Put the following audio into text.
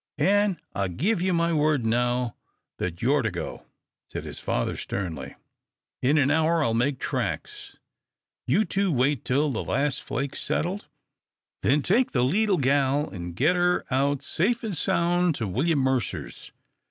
"An' I give you my word now that you're to go," said his father, sternly. "In an hour I'll make tracks. You two wait till the last flake's settled, then take the leetle gal an' git her out safe an' sound to William Mercer's.